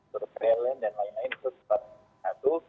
dokter krelen dan lain lain dokter satu